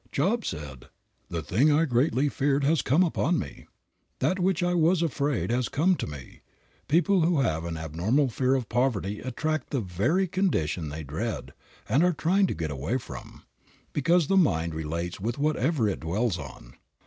Job said, "The thing I greatly feared has come upon me" that which I was afraid of has come to me. People who have an abnormal fear of poverty attract the very condition they dread and are trying to get away from, because the mind relates with whatever it dwells on.